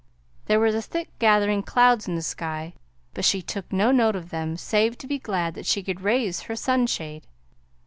There were thick gathering clouds in the sky, but she took no note of them save to be glad that she could raise her sunshade.